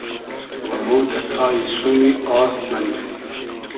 و مۉ دۂ تایی سومی آس مئندی